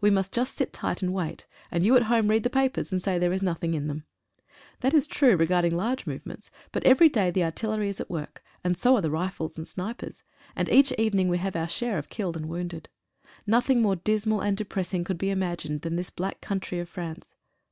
We must just sit tight, and wait, and you at home read the papers, and say there is nothing in them. That is true regarding large movements, but every day the artillery is at work, and so are the rifles and snipers, and each evening we have our share of killed and wounded. Nothing more dismal and depress ing could be imagined than this black country of France.